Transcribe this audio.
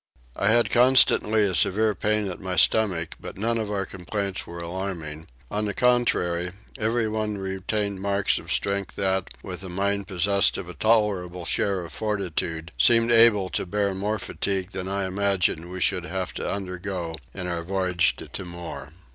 I had constantly a severe pain at my stomach but none of our complaints were alarming: on the contrary, everyone retained marks of strength that, with a mind possessed of a tolerable share of fortitude, seemed able to bear more fatigue than I imagined we should have to undergo in our voyage to Timor.